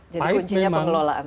jadi kuncinya pengelolaan